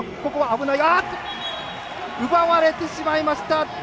奪われてしまいました。